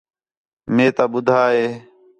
مئے تا ٻُدّھا ہِے